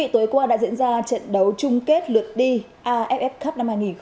trận đấu chung kết lượt đi aff cup hai nghìn một mươi chín